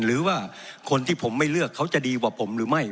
หรือว่าคนที่ผมไม่เลือกเขาจะดีกว่าผมหรือไม่